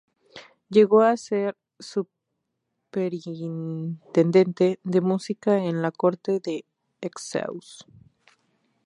Llegó a ser superintendente de música en la corte de Sceaux.